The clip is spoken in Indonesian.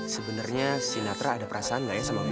sebenernya sinatra ada perasaan gak ya sama gue